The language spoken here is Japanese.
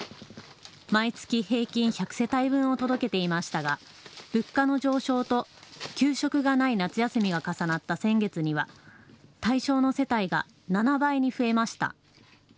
毎月平均１００世帯分を届けていましたが物価の上昇と給食がない夏休みが重なった先月には対象の世帯が７倍に増えました。